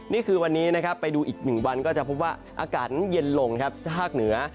นี่คือวันนี้นะครับไปดูอีก๑วันก็จะพบว่าอากาศนั้นเย็นลงครับภาคเหนือ